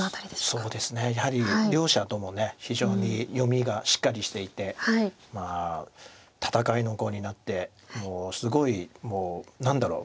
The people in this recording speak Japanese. そうですねやはり両者とも非常に読みがしっかりしていて戦いの碁になってもうすごいもう何だろう。